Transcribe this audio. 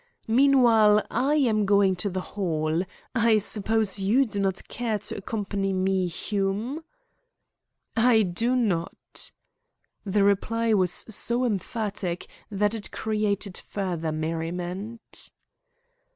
"Meanwhile, I am going to the Hall. I suppose you do not care to accompany me, Hume?" "I do not." The reply was so emphatic that it created further merriment.